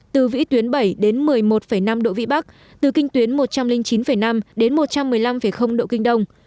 từ vĩ tuyến bảy đến một mươi một năm độ vĩ bắc từ kinh tuyến một trăm linh chín năm đến một trăm một mươi năm độ kinh đông